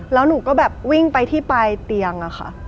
แล้วหนูก็แบบวิ่งไปที่ปลายเตียงอะค่ะ